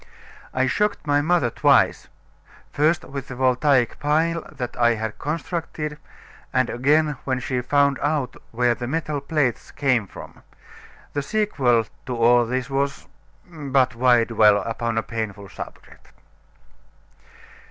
I shocked my mother twice first with the voltaic pile that I had constructed, and again when she found out where the metal plates came from. The sequel to all this was but why dwell upon a painful subject!